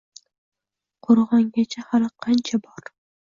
Qo‘rg‘ongacha hali qancha bor?